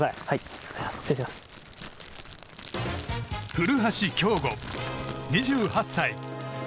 古橋亨梧、２８歳。